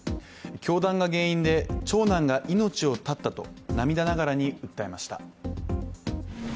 教団が原因で長男が命を絶ったと涙ながらに訴えました。